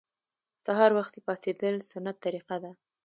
سهار وختي پاڅیدل سنت طریقه ده